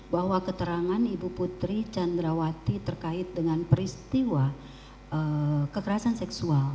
bahwa keterangan ibu putri candrawati terkait dengan peristiwa kekerasan seksual